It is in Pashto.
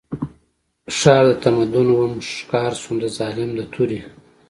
ښار د تمدن وم ښکار شوم د ظالم د تورې